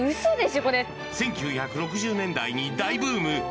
１９６０年代に大ブーム。